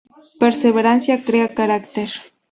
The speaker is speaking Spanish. Perseverancia crea carácter.